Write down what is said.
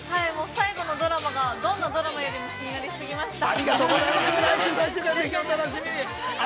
◆最後のドラマが、どんなドラマよりも、気になり過ぎました。